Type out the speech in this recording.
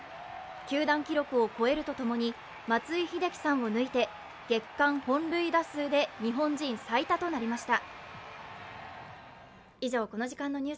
球団記録を超えると共に松井秀喜さんを抜いて月間本塁打数で日本人最多となりました。